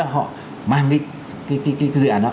họ mang đi dự án đó